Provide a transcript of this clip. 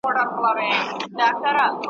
د خپل قسمت سره په جنګ را وزم `